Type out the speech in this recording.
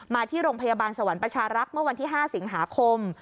ที่โรงพยาบาลสวรรค์ประชารักษ์เมื่อวันที่๕สิงหาคม